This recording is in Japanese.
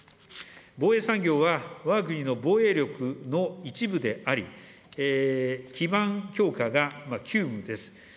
防衛産業は、わが国の防衛力の一部であり、基盤強化が急務です。